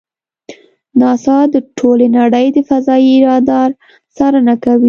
ناسا د ټولې نړۍ د فضایي رادار څارنه کوي.